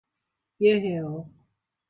이해해요.